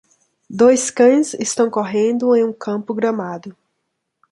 Dois cães estão correndo em um campo gramado.